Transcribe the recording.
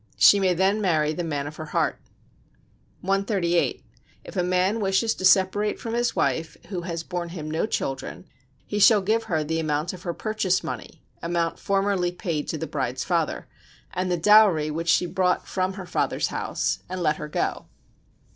She may then marry the man of her heart. 138. If a man wishes to separate from his wife who has borne him no children, he shall give her the amount of her purchase money [amount formerly paid to the bride's father] and the dowry which she brought from her father's house, and let her go.